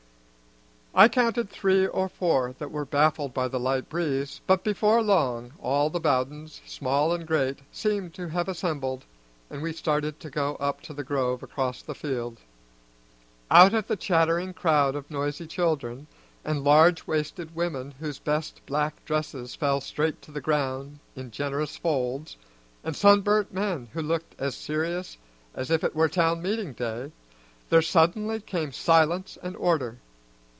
I counted three or four that were baffled by the light breeze, but before long all the Bowdens, small and great, seemed to have assembled, and we started to go up to the grove across the field. Out of the chattering crowd of noisy children, and large waisted women whose best black dresses fell straight to the ground in generous folds, and sunburnt men who looked as serious as if it were town meeting day, there suddenly came silence and order.